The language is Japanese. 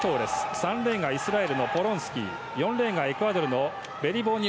３レーンがイスラエルのポロンスキー。